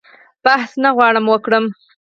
بحث نه غواړم وکړم.